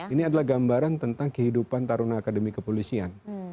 ini adalah gambaran tentang kehidupan taruna akademi kepolisian